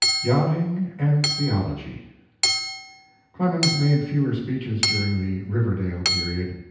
YACHTING AND THEOLOGY Clemens made fewer speeches during the Riverdale period.